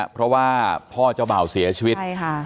เพราะว่าพ่อเจ้าเบ่าเสียชีวิต